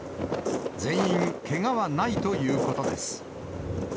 全員けがはないということです。